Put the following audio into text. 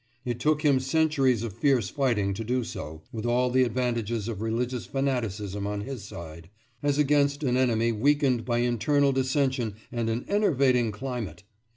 It took him centuries of fierce fighting to do so, with all the advantages of religious fanaticism on his side, as against an enemy weakened by internal dissension and an enervating climate.